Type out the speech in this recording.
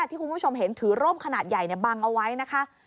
ที่คุณผู้ชมเห็นถือร่มขนาดใหญ่บังเอาไว้นะคะ